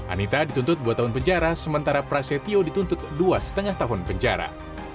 anita dituntut dua tahun penjara sementara prasetyo dituntut dua lima tahun penjara